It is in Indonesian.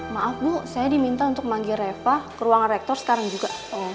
maaf bu saya diminta untuk manggil reva ke ruangan rektor sekarang juga